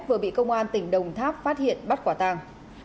vừa bị công an tỉnh đồng tháp phát hiện bắt quả tàng